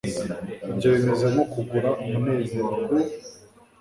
Ibyo bimeze nko kugura umunezero ku